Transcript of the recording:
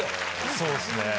そうっすね